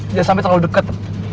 jangan sampai terlalu deket